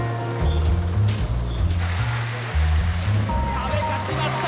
阿部勝ちました！